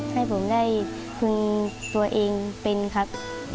ให้ผมได้พึงตัวเองเป็นครับ